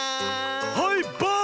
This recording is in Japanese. はいバーン！